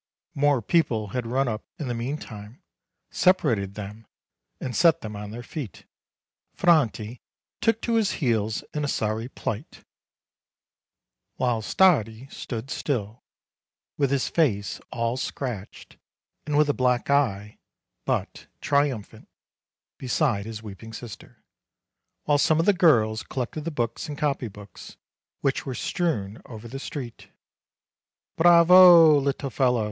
More people had run up in the mean time, separated them and set them on their feet. Franti took to his heels in a sorry plight, while Stardi stood still, with his face all scratched, and with a black eye, but triumphant, beside his weeping sister, while some of the girls collected the books and copy books which were strewn over the street. "Bravo, little fellow!"